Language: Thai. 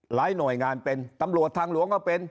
หน่วยงานเป็นตำรวจทางหลวงก็เป็น